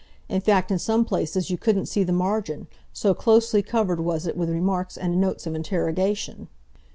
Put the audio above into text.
In fact in some places you couldn't see the margin, so closely covered was it with remarks and notes of interrogation.